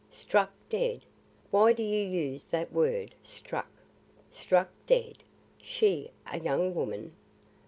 "Struck dead! Why do you use that word, struck? Struck dead! she, a young woman.